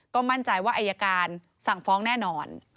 ก็มั่นใจว่าอายการสั่งฟ้องแน่นอน